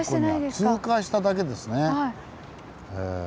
通過しただけですね。